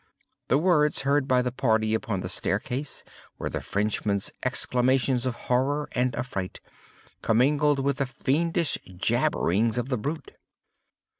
The words heard by the party upon the staircase were the Frenchman's exclamations of horror and affright, commingled with the fiendish jabberings of the brute.